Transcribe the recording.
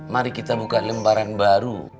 mari kita buka lembaran baru